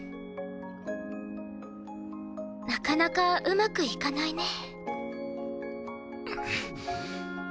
なかなかうまくいかないね。